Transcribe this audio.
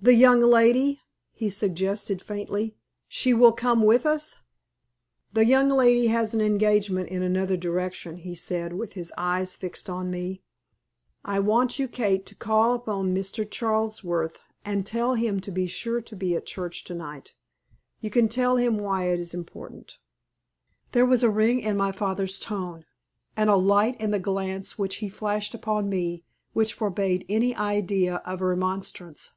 "The young lady," he suggested, faintly "she will come with us." "The young lady has an engagement in another direction," he said, with his eyes fixed on me. "I want you, Kate, to call upon Mr. Charlsworth and tell him to be sure to be at church to night. You can tell him why it is important." There was a ring in my father's tone, and a light in the glance which he flashed upon me which forbade any idea of remonstrance.